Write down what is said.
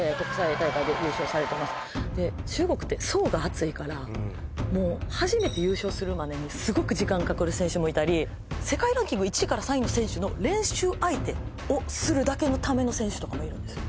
中国って層が厚いからもう初めて優勝するまでにすごく時間かかる選手もいたり世界ランキング１３位の選手の練習相手をするだけのための選手とかもいるんですよ